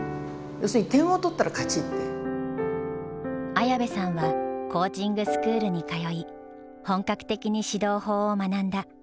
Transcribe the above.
綾部さんはコーチングスクールに通い本格的に指導法を学んだ。